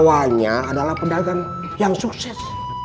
awalnya adalah pedagang yang sukses